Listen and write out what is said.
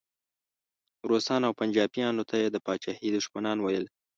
روسانو او پنجابیانو ته یې د پاچاهۍ دښمنان ویل.